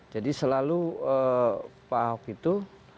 jadi selalu pak ahok itu